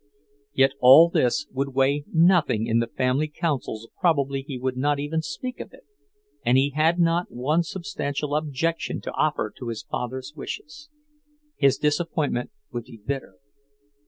Yet all this would weigh nothing in the family councils probably he would not even speak of it and he had not one substantial objection to offer to his father's wishes. His disappointment would be bitter.